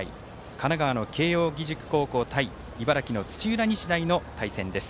神奈川の慶応義塾高校対茨城、土浦日大の対戦です。